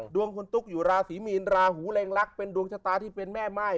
ดวงคุณตุ๊กอยู่ราศีมีนราหูเร็งลักษณ์เป็นดวงชะตาที่เป็นแม่ม่าย